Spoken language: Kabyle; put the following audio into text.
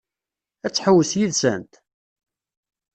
Ad tḥewwes yid-sent?